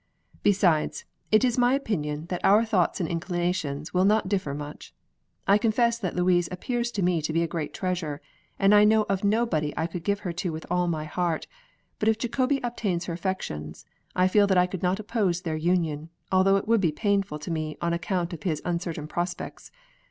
Besides, it is my opinion that our thoughts and inclinations will not differ much. I confess that Louise appears to me to be a great treasure, and I know of nobody I could give her to with all my heart; but if Jacobi obtains her affections, I feel that I could not oppose their union, although it would be painful to me on account of his uncertain prospects.